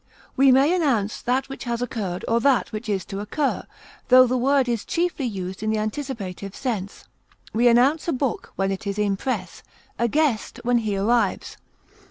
We may announce that which has occurred or that which is to occur, tho the word is chiefly used in the anticipative sense; we announce a book when it is in press, a guest when he arrives.